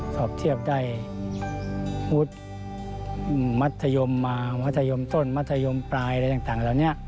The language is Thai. สอบเทียบได้มัธยมต้นมัธยมปลาย